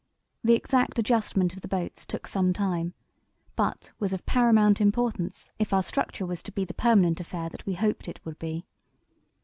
The exact adjustment of the boats took some time, but was of paramount importance if our structure was to be the permanent affair that we hoped it would be.